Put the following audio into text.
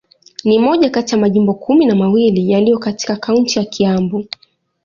Ni moja kati ya majimbo kumi na mawili yaliyo katika kaunti ya Kiambu.